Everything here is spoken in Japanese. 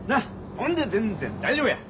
ほんで全然大丈夫や！